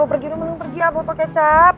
lo pergi lo mending pergi ya botol kecap